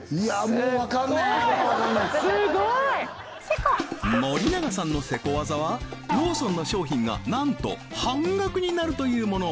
もうわかんないすごいすごい森永さんのセコ技はローソンの商品がなんと半額になるというもの